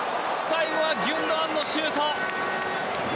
最後はギュンドアンのシュート。